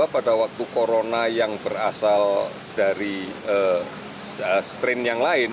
pada waktu corona yang berasal dari strain yang lain